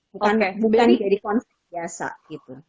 bukan jadi konflik biasa gitu